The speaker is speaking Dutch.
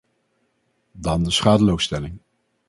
Dan de schadeloosstelling.